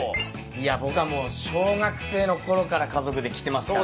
いや僕はもう小学生のころから家族で来てますから。